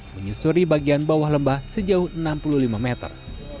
menyusuri bagian bawah lembah sejauh enam puluh lima meter